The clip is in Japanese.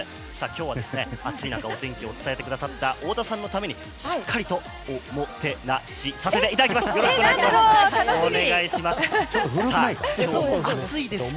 今日は暑い中お天気をお伝えくださった太田さんのためにしっかりとおもてなしさせていただきます。